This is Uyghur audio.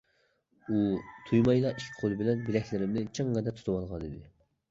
ئۇ تۇيمايلا ئىككى قولى بىلەن بىلەكلىرىمنى چىڭڭىدە تۇتۇۋالغانىدى.